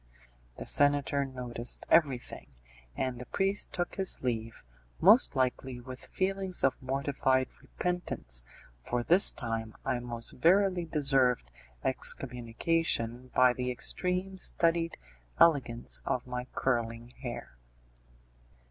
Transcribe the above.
The senator noticed everything, and the priest took his leave, most likely with feelings of mortified repentance, for this time I most verily deserved excommunication by the extreme studied elegance of my curling hair.